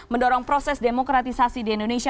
mendorong proses demokratisasi di indonesia